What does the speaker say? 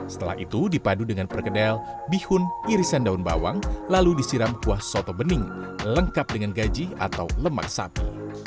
setelah itu dipadu dengan perkedel bihun irisan daun bawang lalu disiram kuah soto bening lengkap dengan gaji atau lemak sapi